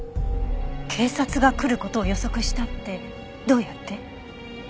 警察が来る事を予測したってどうやって？